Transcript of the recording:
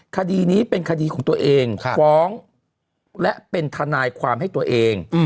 คดีนี้เป็นคดีของตัวเองฟ้องและเป็นทนายความให้ตัวเอง